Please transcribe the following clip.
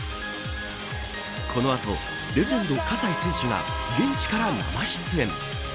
この後、レジェンド葛西選手が現地から生出演。